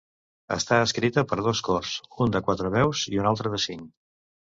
Està escrita per a dos cors, un de quatre veus i un altre de cinc.